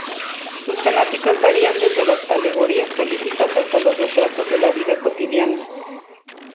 Sus temáticas varían desde las alegorías políticas hasta los retratos de la vida cotidiana.